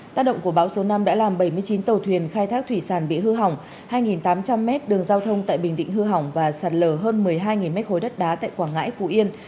tác động của bão số năm đã làm bảy mươi chín tàu thuyền khai thác thủy sản bị hư hỏng hai tám trăm linh mét đường giao thông tại bình định hư hỏng và sạt lở hơn một mươi hai m ba đất đá tại quảng ngãi phú yên